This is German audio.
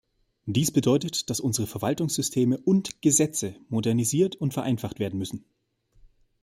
Dies bedeutet, dass unsere Verwaltungssysteme und -gesetze modernisiert und vereinfacht werden müssen.